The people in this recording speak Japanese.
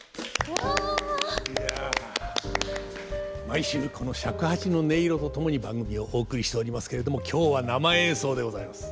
毎週この尺八の音色と共に番組をお送りしておりますけれども今日は生演奏でございます。